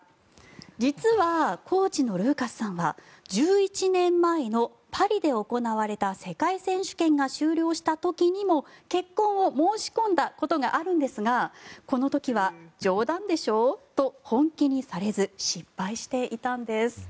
実は、コーチのルーカスさんは１１年前のパリで行われた世界選手権が終了した時にも結婚を申し込んだことがあるんですがこの時は冗談でしょうと本気にされず失敗していたんです。